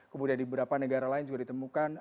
kemudian di beberapa negara lain juga ditemukan